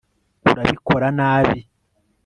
urabikora nabi